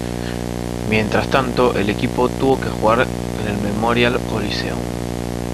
Mientras tanto, el equipo tuvo que jugar en el Memorial Coliseum.